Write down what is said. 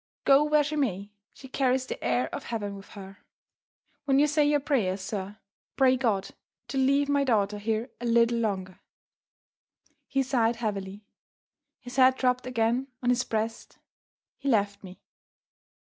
Go where she may, she carries the air of heaven with her. When you say your prayers, sir, pray God to leave my daughter here a little longer." He sighed heavily; his head dropped again on his breast he left me.